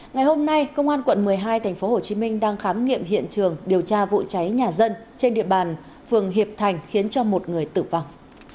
ngày hôm nay công an quận một mươi hai tp hcm đang khám nghiệm hiện trường điều tra vụ cháy nhà dân trên địa bàn phường hiệp thành khiến cho một người tử vong